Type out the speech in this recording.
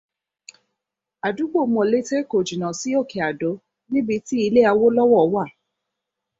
Àdúgbò Mọ̀lété kò jìnnà sí Òkè Àdó níbi tí ilé Awólọ́wọ̀ wà.